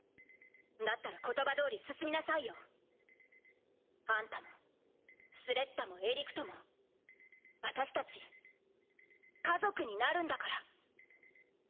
だったら言葉どおり進みなさいよ。あんたもスレッタもエリクトも私たち家族になるんだから。